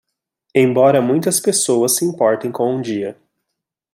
Embora muitas pessoas se importem com o dia